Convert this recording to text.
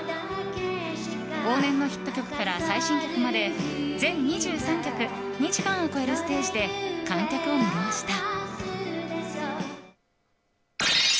往年のヒット曲から最新曲まで全２３曲２時間を超えるステージで観客を魅了した。